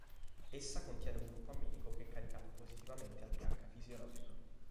Essa contiene un gruppo amminico che è caricato positivamente al pH fisiologico.